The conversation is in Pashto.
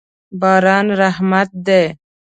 باران رحمت دی.